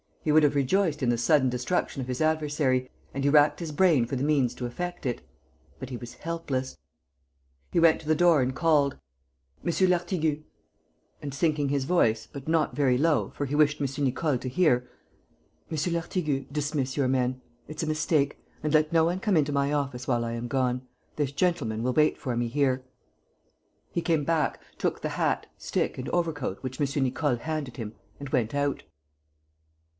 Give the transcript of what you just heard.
He would have rejoiced in the sudden destruction of his adversary and he racked his brain for the means to effect it. But he was helpless. He went to the door and called: "M. Lartigue." And, sinking his voice, but not very low, for he wished M. Nicole to hear, "M. Lartigue, dismiss your men. It's a mistake. And let no one come into my office while I am gone. This gentleman will wait for me here." He came back, took the hat, stick and overcoat which M. Nicole handed him and went out.